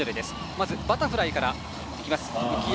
まずバタフライからです。